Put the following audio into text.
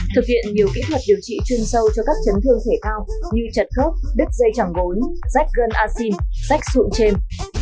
thực hiện nhiều kỹ thuật điều trị chuyên sâu cho các chấn thương thể cao như chật khớp đứt dây chẳng gốn rách gân asin rách sụn chêm